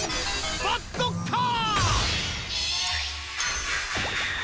バッドカー！